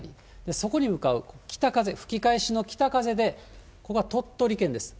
そこに向かう北風、吹き返しの北風で、ここが鳥取県です。